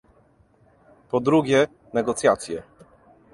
Po drugie - negocjacje